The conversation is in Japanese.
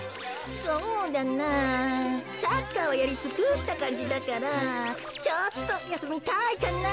そうだなサッカーはやりつくしたかんじだからちょっとやすみたいかな。